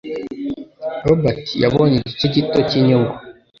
Robert yabonye igice gito cyinyungu.